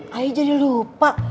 saya jadi lupa